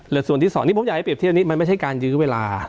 และส่วนที่สองที่ผมอยากให้เรียบเทียบนี้มันไม่ใช่การยื้อเวลา